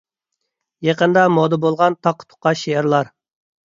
يېقىندا مودا بولغان تاققا-تۇققا شېئىرلار